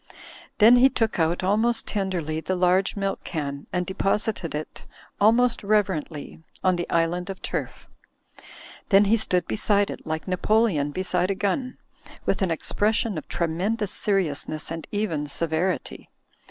Then he took out, almost tenderly, the large milk can, and deposited it, almost reverently, on the island of turf. Then he stood beside it, like Napoleon beside a gun, with an expression of tremen dous seriousness and even severity.